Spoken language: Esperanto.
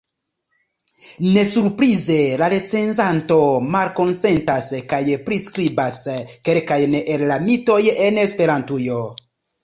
Ne surprize, la recenzanto malkonsentas, kaj priskribas kelkajn el la mitoj en Esperantujo.